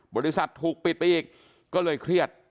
บริษัทถูกปิดไปอีกก็เลยเครียด